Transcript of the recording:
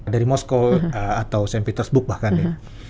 dari moskow atau st petersburg bahkan ya